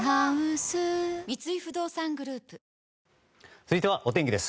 続いてはお天気です。